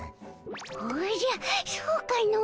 おじゃそうかの。